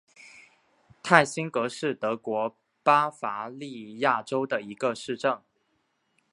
泰辛格是德国巴伐利亚州的一个市镇。